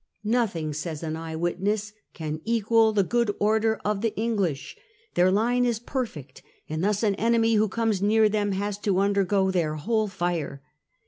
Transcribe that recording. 1 Nothing,' says an eye witness, * can equal the good order of the English ; their line is perfect, and thus an enemy who comes near them has to undergo their whole fire